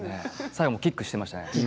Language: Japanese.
最後キックしていましたね。